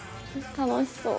楽しそう。